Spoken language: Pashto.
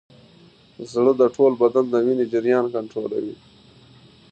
زړه د ټول بدن د وینې جریان کنټرولوي.